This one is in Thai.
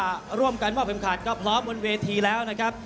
พร้อมการรบเค็มฆาตก็พร้อมบนเวทีแล้วนะครับ